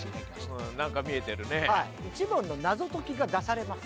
はい１問の謎解きが出されます。